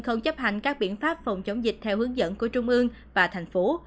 không chấp hành các biện pháp phòng chống dịch theo hướng dẫn của trung ương và thành phố